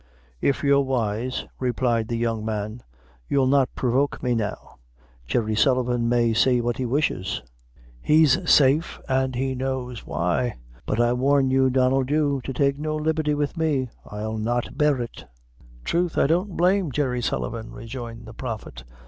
"If you're wise," replied the young man, "you'll not provoke me now Jerry Sullivan may say what he wishes he's safe, an he knows why; but I warn you, Donnel Dhu, to take no liberty with me; I'll not bear it. "Troth, I don't blame Jerry Sullivan," rejoined the prophet.